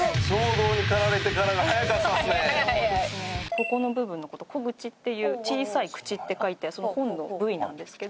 ここの部分の事を小口っていう小さい口って書いてその本の部位なんですけど。